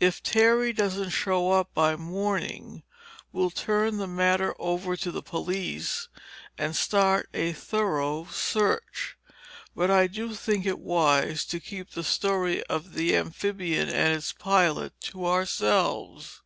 If Terry doesn't show up by morning, we'll turn the matter over to the police and start a thorough search. But I do think it wise to keep the story of the amphibian and its pilot to ourselves."